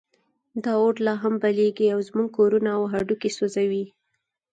دا اور لا هم بلېږي او زموږ کورونه او هډوکي سوځوي.